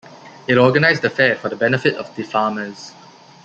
It organized a fair for the benefit of the farmers.